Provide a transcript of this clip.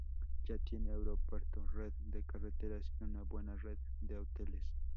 Ya tiene aeropuerto, red de carreteras y una buena red de hoteles.